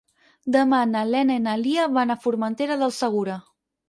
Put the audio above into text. Demà na Lena i na Lia van a Formentera del Segura.